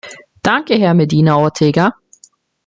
Danke, Herr Medina Ortega.